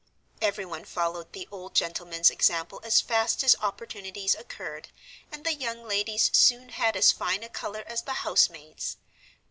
Everyone followed the old gentleman's example as fast as opportunities occurred, and the young ladies soon had as fine a color as the housemaids.